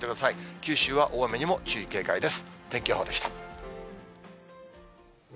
九州は大雨にも注意警戒です。